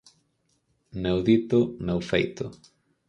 Meu dito, meu feito.